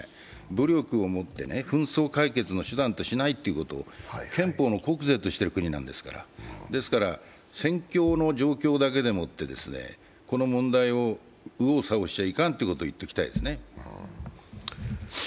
武力をもって紛争解決の手段としないということを憲法の国是としている国なんですから、戦況だけをもって、この問題を右往左往してはいかんということを言っておきたいです。